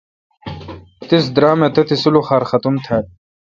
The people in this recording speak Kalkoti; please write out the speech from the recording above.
تیس درام تتی سلوخار ختُم تھال۔